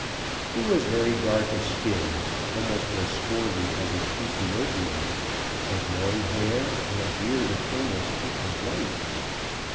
He was very dark of skin, almost as swarthy as an Ethiopian, had long hair and a beard of almost equal length.